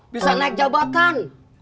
bisa naik jabatan